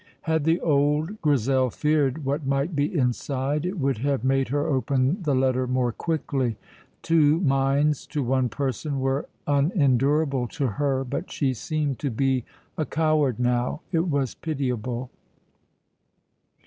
Had the old Grizel feared what might be inside, it would have made her open the letter more quickly. Two minds to one person were unendurable to her. But she seemed to be a coward now. It was pitiable.